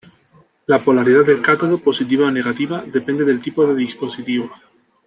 La polaridad del cátodo, positiva o negativa, depende del tipo de dispositivo.